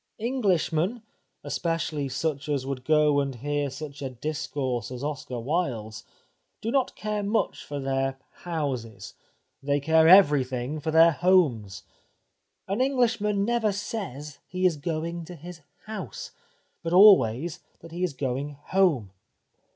Englishmen — especially such as would go and hear such a discourse as Oscar Wilde's — do not care much for their " houses," they care everything for their homes. An Englishman never says he is going to his ' house,' but always that he is going ' home.'